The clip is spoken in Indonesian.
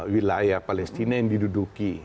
wilayah palestina yang diduduki